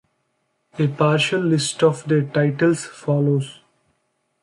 A partial list of their titles follows.